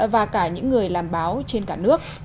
và cả những người làm báo trên cả nước